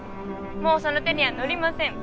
もうその手にはのりません。